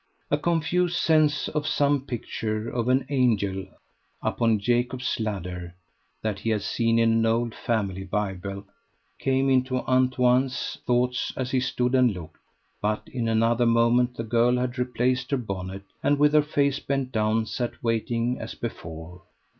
A confused sense of some picture of an angel upon Jacob's ladder that he had seen in an old family Bible came into Antoine's thoughts as he stood and looked; but in another moment the girl had replaced her bonnet, and with her face bent down sat waiting as before.